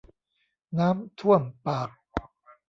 น้ำท่วมปาก